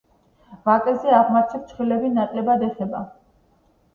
ვაკეზე და აღმართში ფრჩხილები ნაკლებად ეხება.